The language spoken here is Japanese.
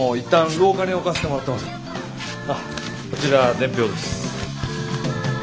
あっこちら伝票です。